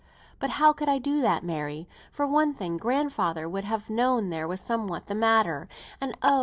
But how could I do that, Mary? For one thing, grandfather would have known there was somewhat the matter; and, oh!